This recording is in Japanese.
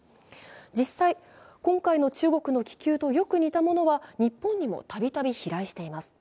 実際、今回の中国の気球とよく似たものは日本にも度々、飛来しています。